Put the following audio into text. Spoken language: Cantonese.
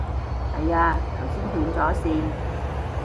係啊，頭先斷咗線